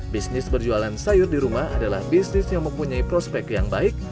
bisnis berjualan sayur di rumah adalah bisnis yang mempunyai prospek yang baik